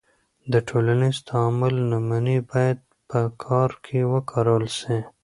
د ټولنیز تعامل نمونې باید په کار کې وکارول سي.